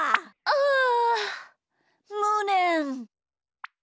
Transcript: あむねん！